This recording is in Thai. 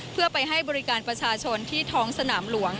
เพื่อไปให้บริการประชาชนที่ท้องสนามหลวง